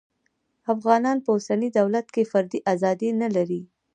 افغانان په اوسني دولت کې فردي ازادي نلري